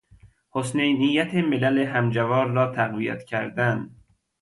حسن نیت ملل همجوار را تقویت کردن